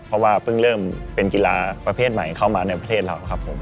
เพราะว่าเพิ่งเริ่มเป็นกีฬาประเภทใหม่เข้ามาในประเทศเราครับผม